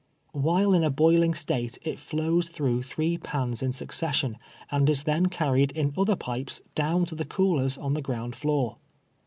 While in a boiling state it flows through three pans in succession, and is then carried in other pipes down to the coolers on the ground floor.